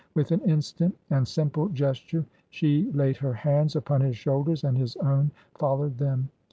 With an instant and simple ges ture she laid her hands upon his shoulders and his own followed them.